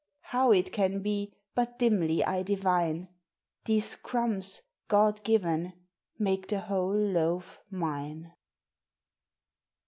How it can be, but dimly I divine. These crumbs, God given, make the whole loaf mine.